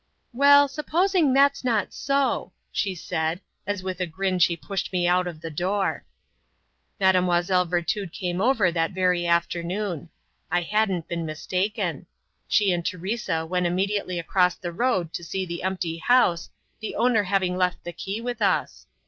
"Well, supposing that's not so!" she said, as with a grin she pushed me out of the door. Mademoiselle Virtud came over that very afternoon. I hadn't been mistaken. She and Teresa went immediately across the road to see the empty house, the owner having left the key with us.